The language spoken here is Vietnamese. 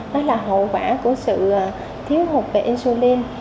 đó là hậu quả của sự thiếu hụt về insulin